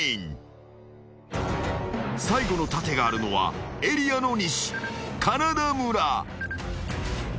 ［最後の盾があるのはエリアの西カナダ村］